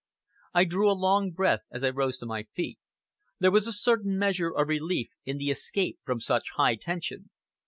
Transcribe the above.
I drew a long breath as I rose to my feet. There was a certain measure of relief in the escape from such high tension.